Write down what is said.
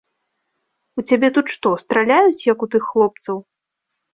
У цябе тут што, страляюць, як у тых хлопцаў?!